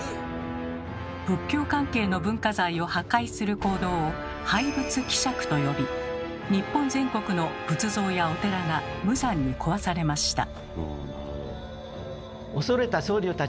仏教関係の文化財を破壊する行動を「廃仏毀釈」と呼び日本全国の仏像やお寺が無残に壊されました。